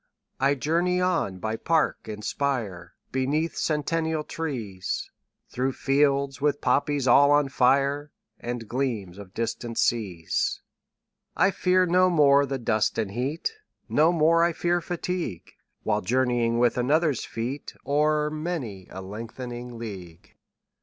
20 I journey on by park and spire, Beneath centennial trees, Through fields with poppies all on fire, And gleams of distant seas. I fear no more the dust and heat, 25 No more I fear fatigue, While journeying with another's feet O'er many a lengthening league.